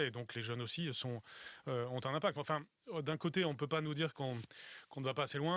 sebenarnya di satu sisi tidak dapat dikatakan bahwa kita tidak berjalan jauh dan kemudian menyalahkan hal ini